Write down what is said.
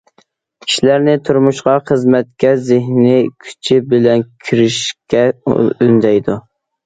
كىشىلەرنى تۇرمۇشقا، خىزمەتكە زېھنىي كۈچى بىلەن كىرىشىشكە ئۈندەيدۇ.